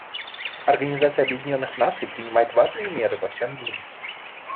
Организация Объединенных Наций принимает важные меры во всем мире.